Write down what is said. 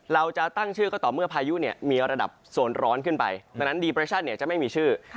เราจะตั้งชื่อก็ต่อเมื่อพายุเนี่ยมีระดับโซนร้อนขึ้นไปดังนั้นดีเปรชั่นจะไม่มีชื่อ